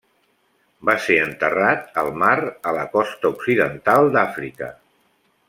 Va ser enterrat al mar a la costa occidental d'Àfrica.